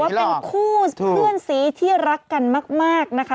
เป็นคู่เพื่อนสีที่รักกันมากนะคะ